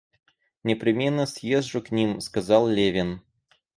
Непременно съезжу к ним, — сказал Левин.